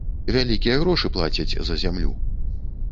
Вялікія грошы плацяць за зямлю.